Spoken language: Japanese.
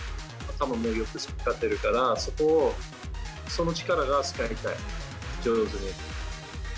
頭もよく使っているから、そこを、その力が使いたい、上手に。